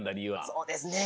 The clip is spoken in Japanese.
そうですね。